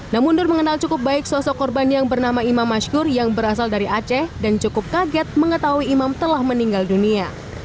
namun nur mengenal cukup baik sosok korban yang bernama imam mashkur yang berasal dari aceh dan cukup kaget mengetahui imam telah meninggal dunia